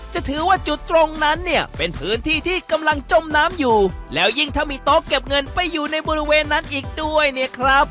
จะถือว่าจุดตรงนั้นเนี่ยเป็นพื้นที่ที่กำลังจมน้ำอยู่แล้วยิ่งถ้ามีโต๊ะเก็บเงินไปอยู่ในบริเวณนั้นอีกด้วยเนี่ยครับ